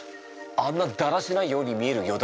あんなだらしないように見えるよ